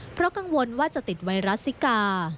เพราะกังวลว่าจะติดไวรัสซิกา